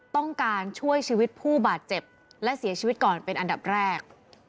ต้องการช่วยชีวิตผู้บาดเจ็บและเสียชีวิตก่อนเป็นอันดับแรก